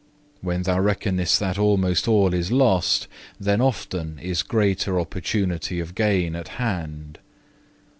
When thou reckonest that almost all is lost, then often is greater opportunity of gain at hand.